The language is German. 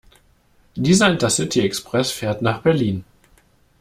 Dieser Intercity-Express fährt nach Berlin.